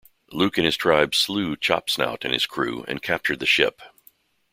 Luke and his tribe slew Chopsnout and his crew and captured the ship.